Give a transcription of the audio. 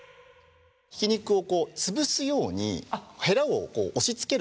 ひき肉を潰すようにヘラを押しつける感じで。